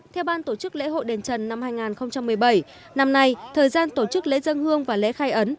theo ban tổ chức lễ hội đền trần năm hai nghìn một mươi bảy năm nay thời gian tổ chức lễ dân hương và lễ khai ấn